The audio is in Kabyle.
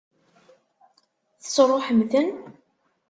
Tesṛuḥem-ten?